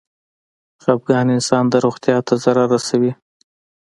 خپګان انسان د روغتيا ته ضرر رسوي.